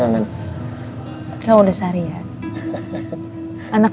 gak ada apa apa